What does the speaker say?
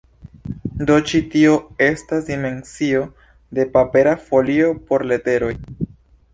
Do ĉi tio estas dimensio de papera folio por leteroj.